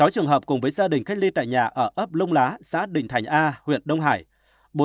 sáu trường hợp cùng với gia đình cách ly tại nhà ở ấp lông lá xã đình thành a huyện đông hải